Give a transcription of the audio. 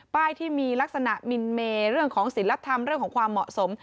ป้ายที่มีลักษณะมีนเมเรื่องของศิลป์ลักษณ์เรื่องของความเหมาะสม